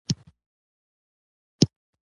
دا وطن افغانستان دی.